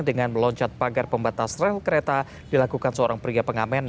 dengan meloncat pagar pembatas rel kereta dilakukan seorang pria pengamen